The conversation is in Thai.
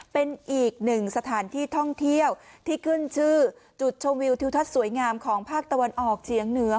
เป็นอีกหนึ่งสถานที่ท่องเที่ยวที่ขึ้นชื่อจุดชมวิวทิวทัศน์สวยงามของภาคตะวันออกเฉียงเหนือ